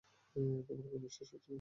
তোমার এখনো বিশ্বাস হচ্ছে না?